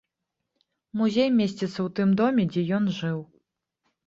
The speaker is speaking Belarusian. Музей месціцца ў тым доме, дзе ён жыў.